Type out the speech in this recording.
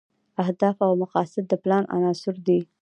اهداف او مقاصد د پلان عناصر دي.